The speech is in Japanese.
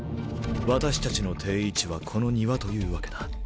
私たちの定位置はこの庭というわけだ。